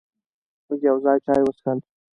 مونږ یو ځای چای وڅښل.